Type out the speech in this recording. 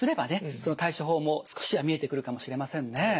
その対処法も少しは見えてくるかもしれませんね。